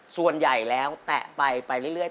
ส่วนใหญ่แล้วแตะไปไปเรื่อย